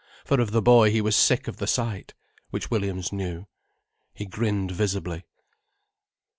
For of the boy he was sick of the sight. Which Williams knew. He grinned visibly.